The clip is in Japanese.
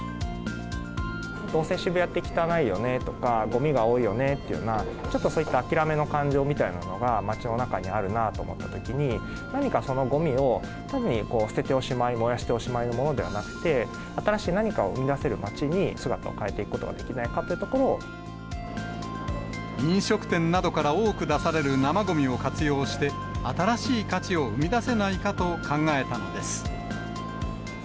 どうせ渋谷って汚いよねとか、ごみが多いよねというような、ちょっとそういった諦めの感情みたいなものが街の中にあるなと思ったときに、何かそのごみを、単に捨てておしまい、燃やしておしまいのものではなくて、新しい何かを生み出せる街に姿を変えていくことができないかとい飲食店などから多く出される生ごみを活用して、新しい価値を生み出せないかと考えたのです。